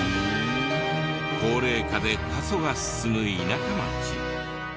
高齢化で過疎が進む田舎町。